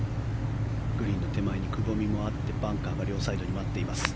グリーンの手前にくぼみもあってバンカーが両サイドに待っています。